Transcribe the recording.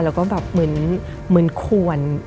แล้วก็แบบเหมือนควร